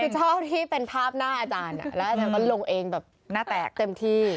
คือชอบที่เป็นภาพหน้าอาจารย์แล้วอาจารย์ก็ลงเองแบบหน้าแตกเต็มที่